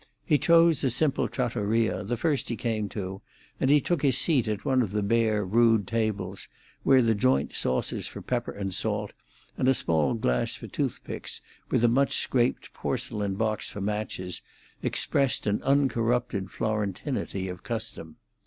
He chose a simple trattoria, the first he came to, and he took his seat at one of the bare, rude tables, where the joint saucers for pepper and salt, and a small glass for toothpicks, with a much scraped porcelain box for matches, expressed an uncorrupted Florentinity of custom.